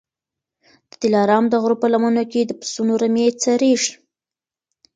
د دلارام د غرو په لمنو کي د پسونو رمې څرېږي